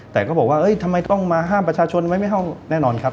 แต่ก็บอกว่าทำไมต้องมาห้ามประชาชนไว้ไม่ห้องแน่นอนครับ